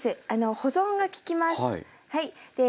保存が利きます。